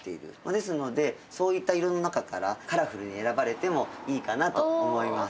ですのでそういった色の中からカラフルに選ばれてもいいかなと思います。